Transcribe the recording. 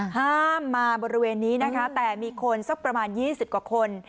ห้ามมาบริเวณนี้นะคะแต่มีคนสักประมาณ๒๐กว่าคน